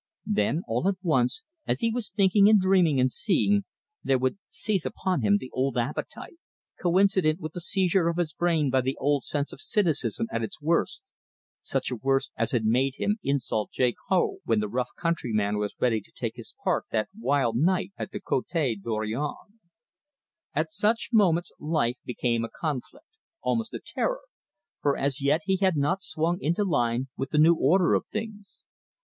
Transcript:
Then, all at once, as he was thinking and dreaming and seeing, there would seize upon him the old appetite, coincident with the seizure of his brain by the old sense of cynicism at its worst such a worst as had made him insult Jake Hough when the rough countryman was ready to take his part that wild night at the Cote Dorion. At such moments life became a conflict almost a terror for as yet he had not swung into line with the new order of things.